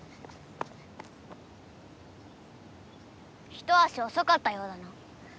一足おそかったようだな。